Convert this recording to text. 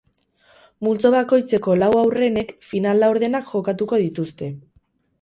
Multzo bakoitzeko lau aurrenek final-laurdenak jokatuko dituzte.